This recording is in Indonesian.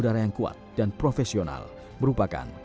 dalam sebuah pertempuran modern